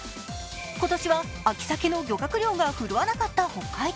今年は秋さけの漁獲量が振るわなかった北海道。